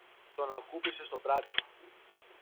τον ακούμπησε στο μπράτσο